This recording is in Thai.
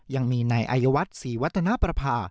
ยังมีนายอายวัฒน์ศรีวัฒนประภา